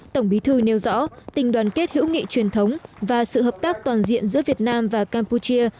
tổng bí thư nêu rõ tình đoàn kết hữu nghị truyền thống và sự hợp tác toàn diện giữa việt nam và campuchia